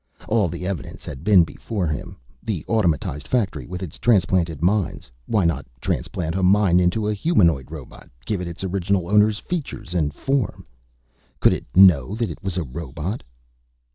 All the evidence had been before him. The automatized factory, with its transplanted minds why not transplant a mind into a humanoid robot, give it its original owner's features and form? Could it know that it was a robot?